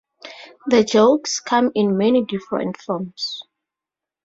The jokes come in many different forms.